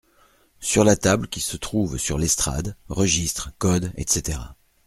Sur la table qui se trouve sur l’estrade, registres, codes, etc…